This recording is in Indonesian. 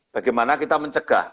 bagaimana kita mencegah